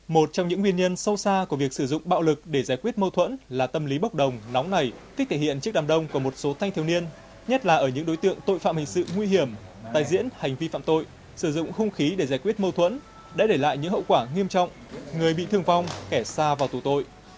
một trong những nguyên nhân sâu xa của việc sử dụng bạo lực để giải quyết mâu thuẫn là tâm lý bốc đồng nóng này thích thể hiện chiếc đàm đông của một số thanh thiếu niên nhất là ở những đối tượng tội phạm hình sự nguy hiểm tai diễn hành vi phạm tội sử dụng hung khí để giải quyết mâu thuẫn đã để lại những hậu quả nghiêm trọng người bị thương vong kẻ xa vào tù tội